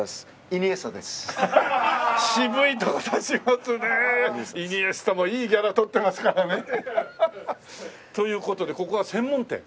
イニエスタもいいギャラ取ってますからね。という事でここは専門店？